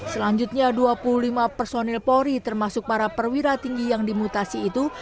selanjutnya dua puluh lima personil polri termasuk para perwira tinggi yang dimutasi itu